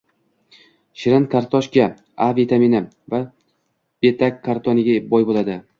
Shirin kartoshka A vitamini va beta-karotinga boy bo‘ladi